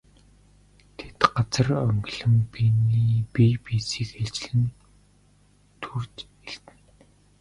Тэд газар онгилон бие биесийг ээлжлэн түрж элдэнэ.